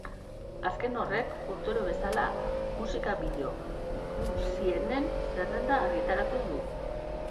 Azken horrek, urtero bezala, musika-bideo ikusienen zerrenda argitaratu du.